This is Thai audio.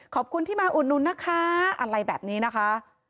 ขอบคุณที่มาอุดหนุนนะคะอะไรแบบนี้นะคะ